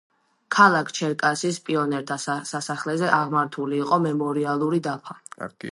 ქალაქ ჩერკასის პიონერთა სასახლეზე აღმართული იყო მემორიალური დაფა.